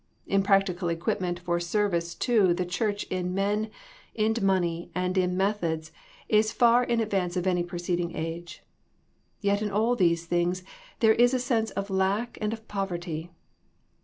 In practical equipment for service too the Church in men, in money, and in methods, is far in advance of any preceding age. Yet in all these things there is a sense of lack and of poverty.